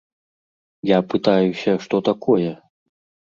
Я пытаюся, што такое?